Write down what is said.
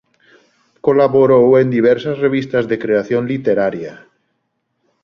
Colaborou en diversas revistas de creación literaria.